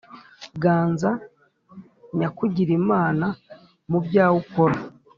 Ganza Nyakugirimana mubyawe ukora